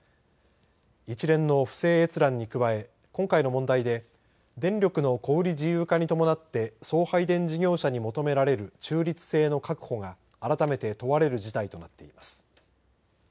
一連の不正閲覧に加え今回の問題で電力の小売自由化に伴って送配電事業者に求められる中立性の確保が改めて問われる事態となっています。